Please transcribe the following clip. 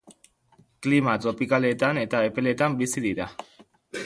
Klima tropikaletan eta epeletan bizi dira.